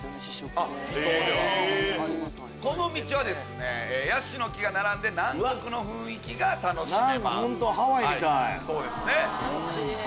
この道はヤシの木が並んで南国の雰囲気が楽しめます。